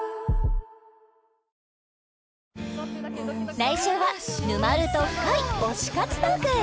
来週は沼ると深い推し活トーク